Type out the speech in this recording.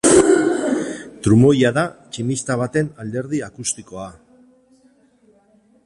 Trumoia da tximista baten alderdi akustikoa.